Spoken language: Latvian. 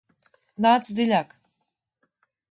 Nāc dziļāk!